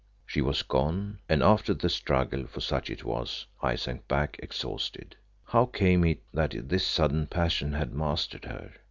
She was gone, and after the struggle, for such it was, I sank back exhausted. How came it that this sudden passion had mastered her?